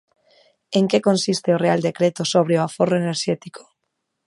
En que consiste o real decreto sobre o aforro enerxético?